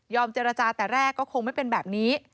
เจรจาแต่แรกก็คงไม่เป็นแบบนี้